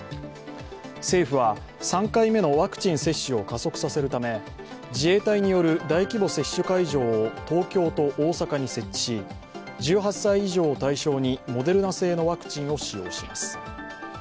政府は３回目のワクチン接種を加速させるため自衛隊による大規模接種会場を東京と大阪に設置し１８歳以上を対象にモデルナ製のワクチンを使用します。